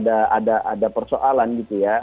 ada persoalan gitu ya